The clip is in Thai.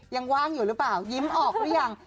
ยังว่างอยู่หรือเปล่ายิ้มออกหรือยัง